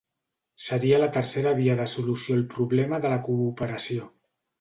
Seria la tercera via de solució al problema de la cooperació.